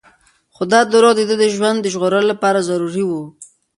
خو دا دروغ د ده د ژوند د ژغورلو لپاره ضروري وو.